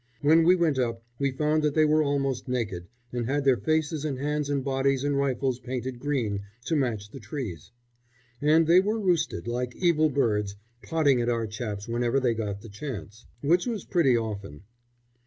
When we went up we found that they were almost naked, and had their faces and hands and bodies and rifles painted green to match the trees. And there they roosted, like evil birds, potting at our chaps whenever they got the chance, which was pretty often.